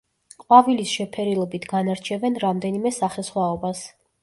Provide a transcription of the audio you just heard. ყვავილის შეფერილობით განარჩევენ რამდენიმე სახესხვაობას.